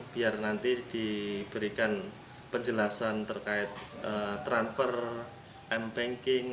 biar nanti diberikan penjelasan terkait transfer m banking